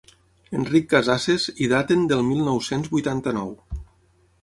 Enric Casasses i daten del mil nou-cents vuitanta-nou.